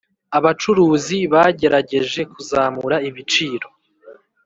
Abacuruzi bagerageje kuzamura ibiciro